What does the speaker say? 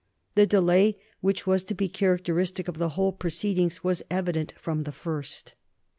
The delay which was to be characteristic of the whole proceedings was evident from the first.